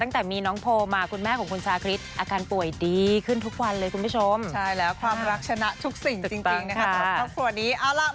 ตั้งแต่มีน้องโพมาคุณแม่ของคุณชาคริส